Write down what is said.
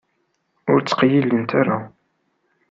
Ur ttqeyyilent ara.